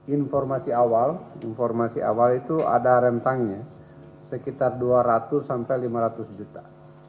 informasi awal informasi awal itu ada rentangnya sekitar dua ratus sampai lima ratus juta